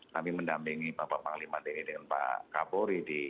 kami mendampingi pak panglima deni dengan pak kapori di